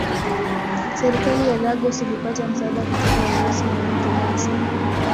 Serikali ya Lagos ilipata msaada kutoka Urusi na Uingereza.